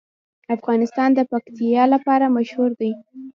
افغانستان د پکتیا لپاره مشهور دی.